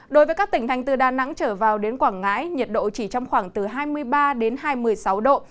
đối với các tỉnh thành từ đà nẵng trở vào đến quảng ngãi nhiệt độ chỉ trong khoảng từ hai mươi ba đến hai mươi sáu độ